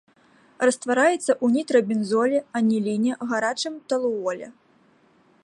Раствараецца ў нітрабензоле, аніліне, гарачым талуоле.